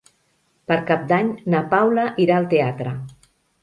Per Cap d'Any na Paula irà al teatre.